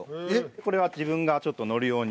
これは自分がちょっと乗る用に。